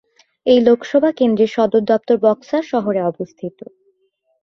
এই লোকসভা কেন্দ্রের সদর দফতর বক্সার শহরে অবস্থিত।